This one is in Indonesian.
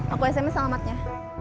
aku sms selamatnya